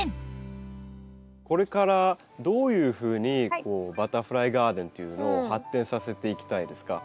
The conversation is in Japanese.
これからどういうふうにバタフライガーデンっていうのを発展させていきたいですか？